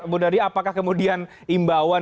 bu nadia apakah kemudian imbauan